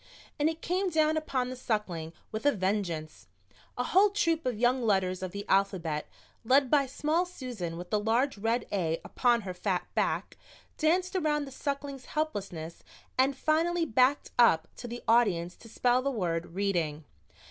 And it came down upon the Suckling with a vengeance. A whole troop of young letters of the alphabet, led by small Susan with the large red A upon her fat back, danced around the Suckling's helplessness and finally backed up to the audience to spell the word "Reading."